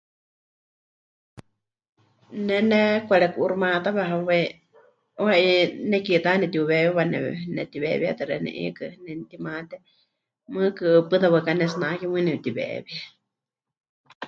Ne nekwareku'uuximayátawe hawai, 'uuwa 'i nekiitá ya nepɨtiuweewiwa ne... netiweewíetɨ xeeníu 'iikɨ nemɨtimate, mɨɨkɨ pɨta waɨká pɨkanetsinake, mɨɨkɨ nepɨtiweewie.